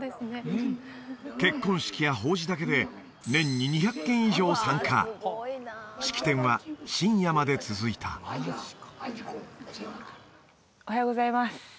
結婚式や法事だけで年に２００件以上参加式典は深夜まで続いたおはようございます